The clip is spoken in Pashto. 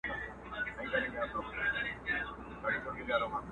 د پيشو په مخكي زوره ور نه پردى سي؛